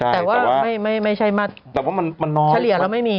แต่ว่าไม่ใช่มาเฉลี่ยเราไม่มี